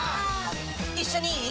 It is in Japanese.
一緒にいい？